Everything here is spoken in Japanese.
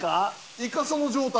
イカその状態？